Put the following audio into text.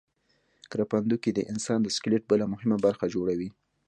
کرپندوکي د انسان د سکلیټ بله مهمه برخه جوړوي.